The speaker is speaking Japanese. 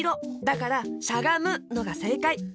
だからしゃがむのがせいかい！